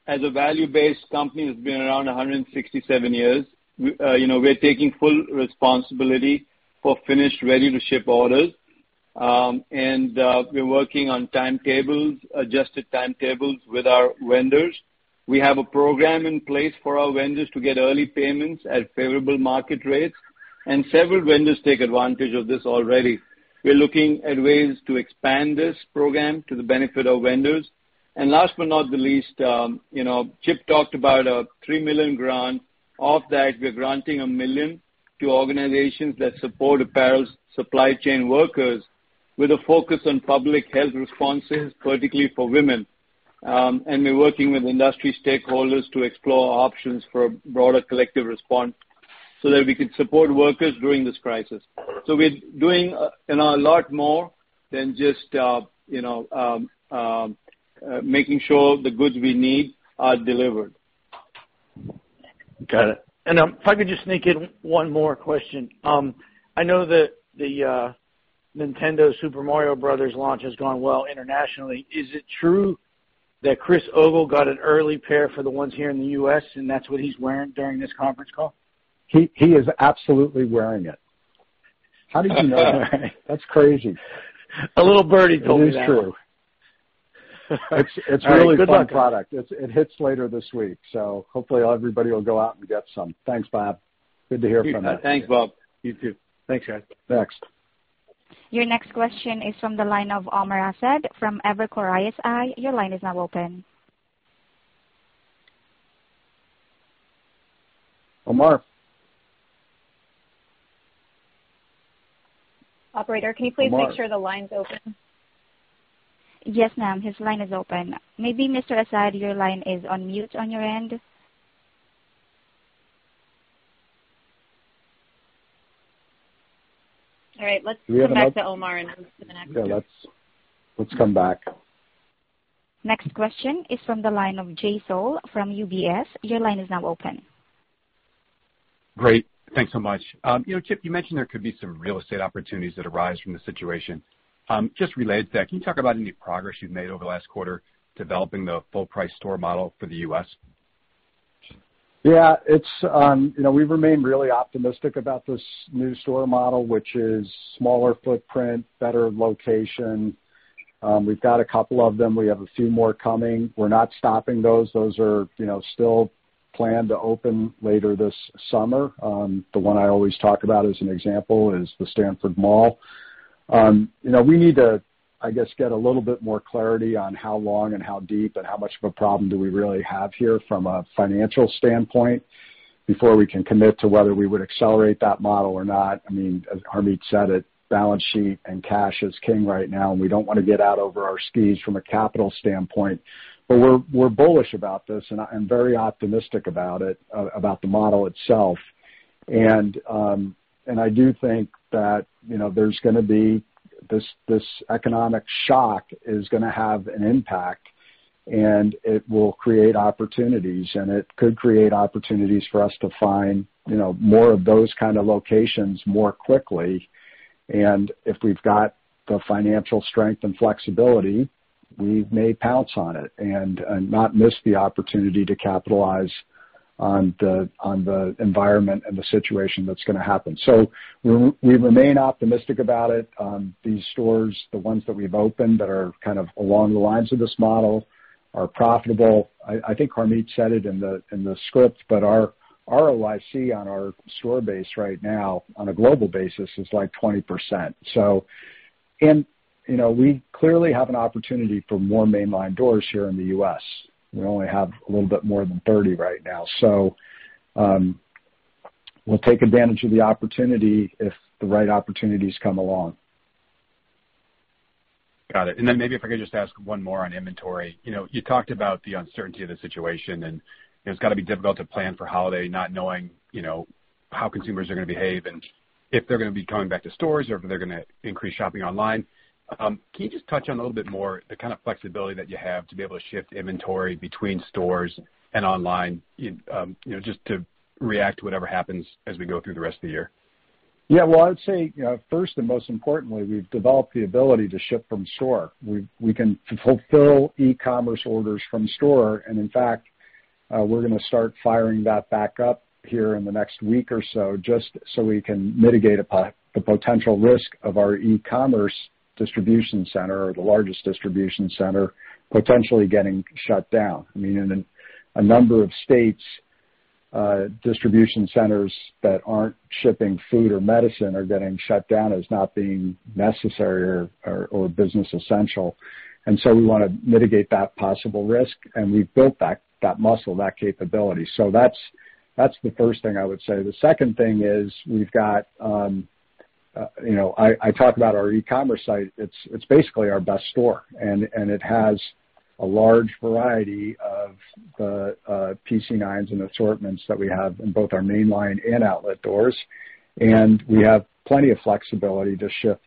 as a value-based company that's been around 167 years, we're taking full responsibility for finished, ready-to-ship orders. We're working on timetables, adjusted timetables with our vendors. We have a program in place for our vendors to get early payments at favorable market rates, and several vendors take advantage of this already. We're looking at ways to expand this program to the benefit of vendors. Last but not the least, Chip talked about a $3 million grant. Of that, we're granting $1 million to organizations that support apparel supply chain workers with a focus on public health responses, particularly for women. We're working with industry stakeholders to explore options for a broader collective response so that we could support workers during this crisis. We're doing a lot more than just making sure the goods we need are delivered. Got it. If I could just sneak in one more question. I know that the Nintendo Super Mario Brothers launch has gone well internationally. Is it true that Chris Ogle got an early pair for the ones here in the U.S., and that's what he's wearing during this conference call? He is absolutely wearing it. How did you know that? That's crazy. A little birdie told me that. It is true. All right. Good luck. It's really a fun product. It hits later this week. Hopefully everybody will go out and get some. Thanks, Bob. Good to hear from you. Thanks, Bob. You too. Thanks, guys. Next. Your next question is from the line of Omar Saad from Evercore ISI. Your line is now open. Omar? Operator, can you please make sure the line's open? Yes, ma'am. His line is open. Maybe, Mr. Saad, your line is on mute on your end. All right. Let's come back to Omar, and then let's do the next one. Yeah, let's come back. Next question is from the line of Jay Sole from UBS. Your line is now open. Great. Thanks so much. Chip, you mentioned there could be some real estate opportunities that arise from the situation. Just related to that, can you talk about any progress you've made over the last quarter developing the full-price store model for the U.S.? Yeah. We've remained really optimistic about this new store model, which is smaller footprint, better location. We've got a couple of them. We have a few more coming. We're not stopping those. Those are still planned to open later this summer. The one I always talk about as an example is the Stanford Mall. We need to, I guess, get a little bit more clarity on how long and how deep and how much of a problem do we really have here from a financial standpoint. Before we can commit to whether we would accelerate that model or not, as Harmit said it, balance sheet and cash is king right now. We don't want to get out over our skis from a capital standpoint. We're bullish about this, and I'm very optimistic about it, about the model itself. I do think that this economic shock is going to have an impact, and it will create opportunities, and it could create opportunities for us to find more of those kind of locations more quickly. If we've got the financial strength and flexibility, we may pounce on it and not miss the opportunity to capitalize on the environment and the situation that's going to happen. We remain optimistic about it. These stores, the ones that we've opened that are along the lines of this model, are profitable. I think Harmit said it in the script, but our ROIC on our store base right now on a global basis is like 20%. We clearly have an opportunity for more mainline doors here in the U.S. We only have a little bit more than 30 right now. We'll take advantage of the opportunity if the right opportunities come along. Got it. Maybe if I could just ask one more on inventory. You talked about the uncertainty of the situation. It's got to be difficult to plan for holiday, not knowing how consumers are going to behave and if they're going to be coming back to stores or if they're going to increase shopping online. Can you just touch on a little bit more the kind of flexibility that you have to be able to shift inventory between stores and online, just to react to whatever happens as we go through the rest of the year? Well, I'd say first and most importantly, we've developed the ability to ship from store. We can fulfill e-commerce orders from store, and in fact, we're going to start firing that back up here in the next week or so, just so we can mitigate the potential risk of our e-commerce distribution center or the largest distribution center potentially getting shut down. In a number of states, distribution centers that aren't shipping food or medicine are getting shut down as not being necessary or business essential. We want to mitigate that possible risk, and we've built that muscle, that capability. That's the first thing I would say. The second thing is, I talked about our e-commerce site. It's basically our best store. It has a large variety of the PC9s and assortments that we have in both our mainline and outlet doors, and we have plenty of flexibility to shift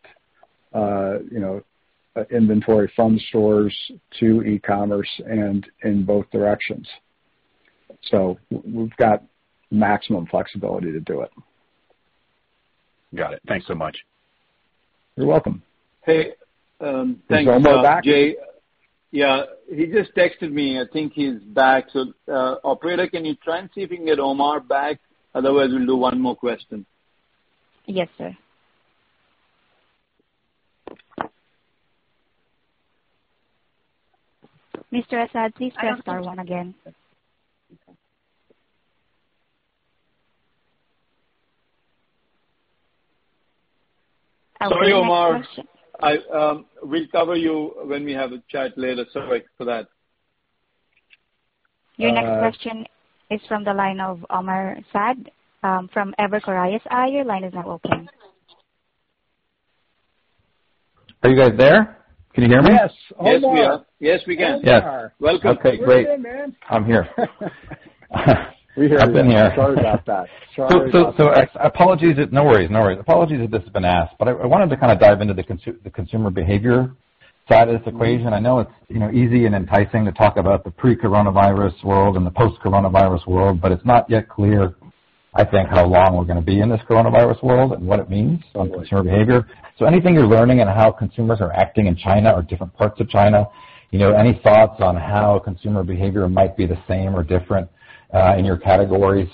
inventory from stores to e-commerce and in both directions. We've got maximum flexibility to do it. Got it. Thanks so much. You're welcome. Hey, thanks. Is Omar back? Jay. Yeah, he just texted me. I think he's back. Operator, can you try and see if you can get Omar back? Otherwise, we'll do one more question. Yes, sir. Mr. Saad, please press star one again. Sorry, Omar. Our next question. We'll cover you when we have a chat later. Sorry for that. Your next question is from the line of Omar Saad from Evercore ISI. Your line is now open. Are you guys there? Can you hear me? Yes. Omar. Yes, we are. Yes, we can. There you are. Welcome. Okay, great. Where you been, man? I'm here. We hear you. I've been here. Sorry about that. Apologies. No worries. Apologies if this has been asked. I wanted to dive into the consumer behavior side of this equation. I know it's easy and enticing to talk about the pre-coronavirus world and the post-coronavirus world. It's not yet clear, I think, how long we're going to be in this coronavirus world and what it means on consumer behavior. Anything you're learning in how consumers are acting in China or different parts of China, any thoughts on how consumer behavior might be the same or different, in your categories,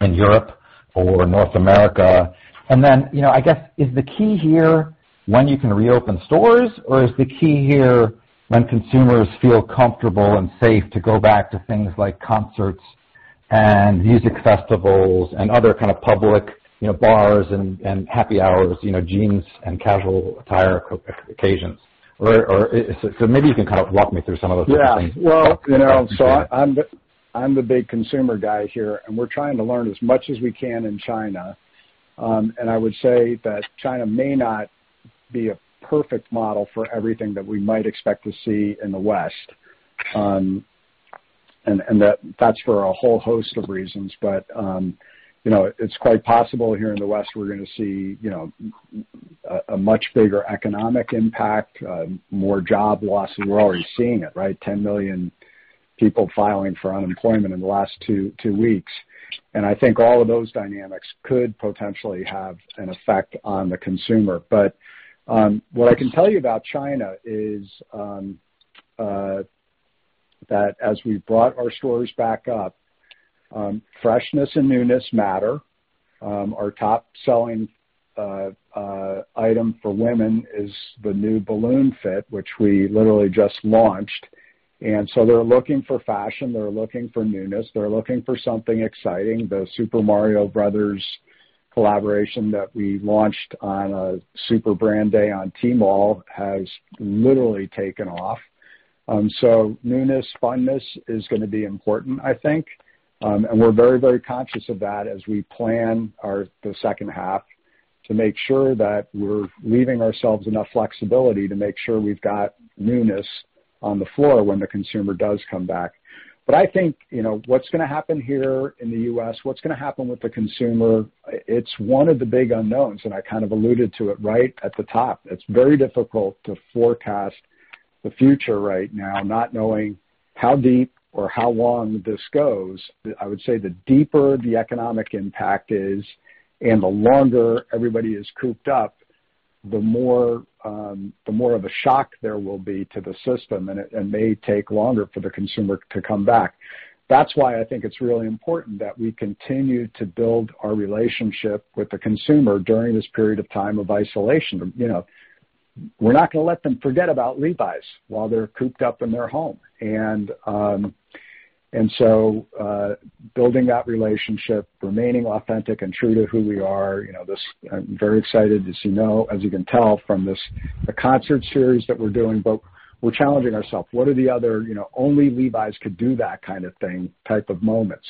in Europe or North America? I guess is the key here when you can reopen stores, or is the key here when consumers feel comfortable and safe to go back to things like concerts and music festivals and other kind of public bars and happy hours, jeans and casual attire occasions? Maybe you can kind of walk me through some of those different things. I'm the big consumer guy here, we're trying to learn as much as we can in China. I would say that China may not be a perfect model for everything that we might expect to see in the West, and that's for a whole host of reasons. It's quite possible here in the West, we're going to see a much bigger economic impact, more job losses. We're already seeing it, right? 10 million people filing for unemployment in the last two weeks. I think all of those dynamics could potentially have an effect on the consumer. What I can tell you about China is that as we brought our stores back up, freshness and newness matter. Our top-selling item for women is the new balloon fit, which we literally just launched. They're looking for fashion. They're looking for newness. They're looking for something exciting. The Super Mario Brothers collaboration that we launched on a Super Brand Day on Tmall has literally taken off. Newness, fineness is going to be important, I think. We're very conscious of that as we plan the second half. To make sure that we're leaving ourselves enough flexibility to make sure we've got newness on the floor when the consumer does come back. I think what's going to happen here in the U.S., what's going to happen with the consumer, it's one of the big unknowns, and I kind of alluded to it right at the top. It's very difficult to forecast the future right now, not knowing how deep or how long this goes. I would say the deeper the economic impact is and the longer everybody is cooped up, the more of a shock there will be to the system, and it may take longer for the consumer to come back. That's why I think it's really important that we continue to build our relationship with the consumer during this period of time of isolation. We're not going to let them forget about Levi's while they're cooped up in their home. Building that relationship, remaining authentic and true to who we are, I'm very excited, as you can tell from this, the concert series that we're doing. We're challenging ourselves. What are the other "only Levi's could do that" kind of thing, type of moments?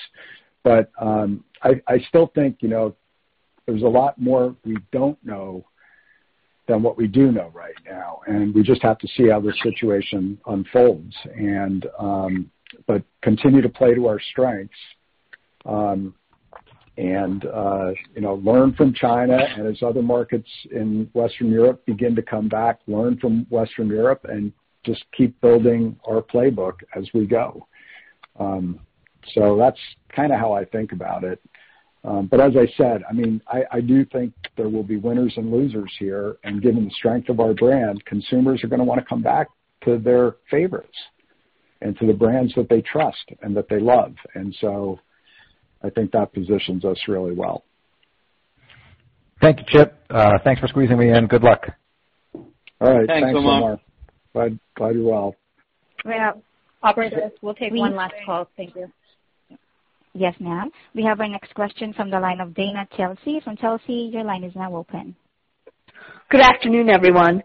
I still think there's a lot more we don't know than what we do know right now, and we just have to see how this situation unfolds. Continue to play to our strengths, and learn from China and as other markets in Western Europe begin to come back, learn from Western Europe, and just keep building our playbook as we go. That's kind of how I think about it. As I said, I do think there will be winners and losers here, and given the strength of our brand, consumers are going to want to come back to their favorites and to the brands that they trust and that they love. I think that positions us really well. Thank you, Chip. Thanks for squeezing me in. Good luck. All right. Thanks, Omar. Thanks, Omar. Glad you're well. We have operator. We'll take one last call. Thank you. Yes, ma'am. We have our next question from the line of Dana Telsey from Telsey. Your line is now open. Good afternoon, everyone.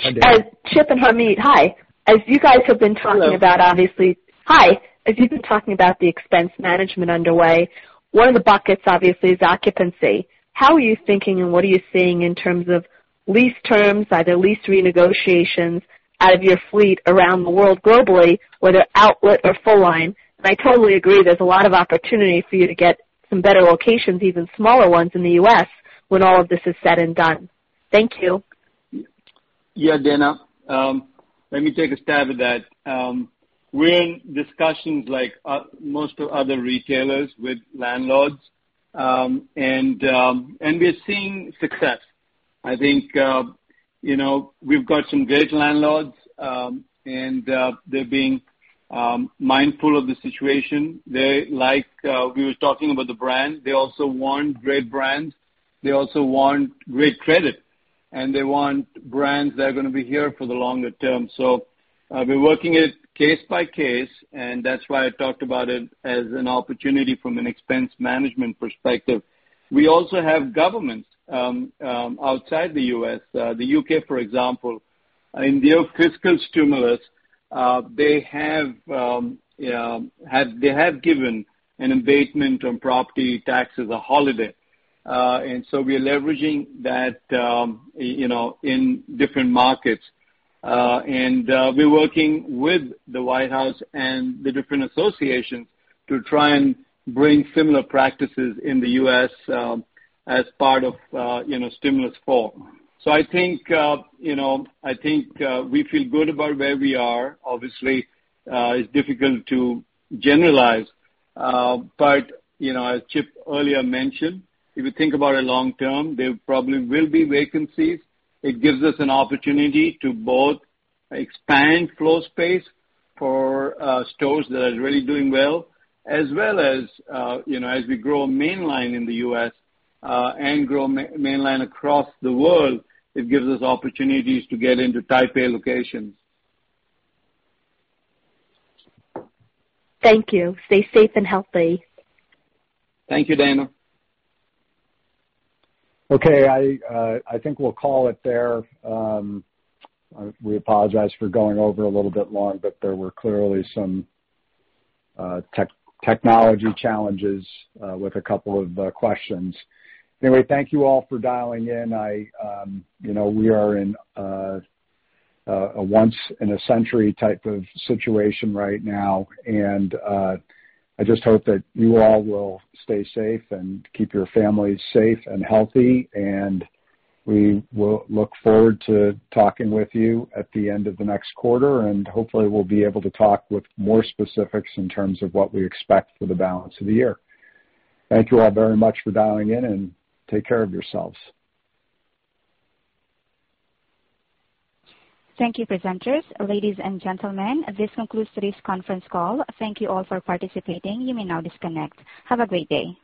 Hi, Dana. Chip and Harmit, hi. As you guys have been talking about, obviously- Hello. Hi. As you've been talking about the expense management underway, one of the buckets, obviously, is occupancy. How are you thinking and what are you seeing in terms of lease terms, either lease renegotiations out of your fleet around the world globally, whether outlet or full line? I totally agree, there's a lot of opportunity for you to get some better locations, even smaller ones in the U.S., when all of this is said and done. Thank you. Yeah, Dana. Let me take a stab at that. We're in discussions like most other retailers with landlords, and we're seeing success. I think we've got some great landlords, and they're being mindful of the situation. We were talking about the brand. They also want great brands. They also want great credit, and they want brands that are going to be here for the longer term. So we're working it case by case, and that's why I talked about it as an opportunity from an expense management perspective. We also have governments outside the U.S., the U.K. for example, in their fiscal stimulus, they have given an abatement on property taxes, a holiday. We are leveraging that in different markets. We're working with the White House and the different associations to try and bring similar practices in the U.S. as part of stimulus form. I think we feel good about where we are. Obviously, it's difficult to generalize. As Chip earlier mentioned, if you think about it long term, there probably will be vacancies. It gives us an opportunity to both expand floor space for stores that are really doing well, as well as we grow mainline in the U.S., and grow mainline across the world, it gives us opportunities to get into type A locations. Thank you. Stay safe and healthy. Thank you, Dana. Okay. I think we'll call it there. We apologize for going over a little bit long, but there were clearly some technology challenges with a couple of questions. Anyway, thank you all for dialing in. We are in a once in a century type of situation right now, and I just hope that you all will stay safe and keep your families safe and healthy. We will look forward to talking with you at the end of the next quarter, and hopefully we'll be able to talk with more specifics in terms of what we expect for the balance of the year. Thank you all very much for dialing in, and take care of yourselves. Thank you, presenters. Ladies and gentlemen, this concludes today's conference call. Thank you all for participating. You may now disconnect. Have a great day.